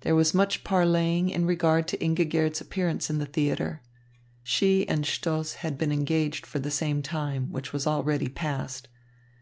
There was much parleying in regard to Ingigerd's appearance in theatre. She and Stoss had been engaged for the same time, which was already past.